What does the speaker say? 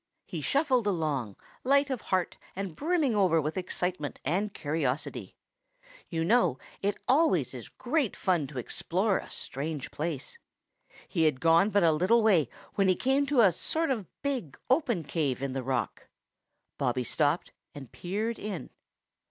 He shuffled along, light of heart and brimming over with excitement and curiosity. You know it always is great fun to explore a strange place. He had gone but a little way when he came to a sort of big open cave in the rock. Bobby stopped and peered in.